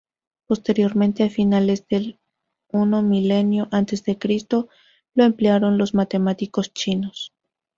Posteriormente, a finales del I milenio a. C., lo emplearon los matemáticos chinos.